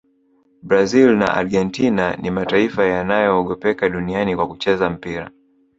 brazil na argentina ni mataifa yanayogopeka duniani kwa kucheza mpira